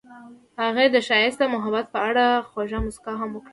هغې د ښایسته محبت په اړه خوږه موسکا هم وکړه.